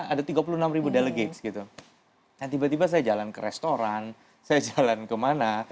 ada tiga puluh enam ribu delegate dan tiba tiba saya jalan ke restoran saya jalan kemana